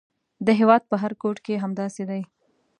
د هېواد په هر ګوټ کې همداسې دي.